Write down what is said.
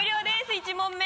１問目。